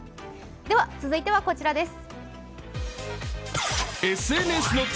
では、続いてはこちらです。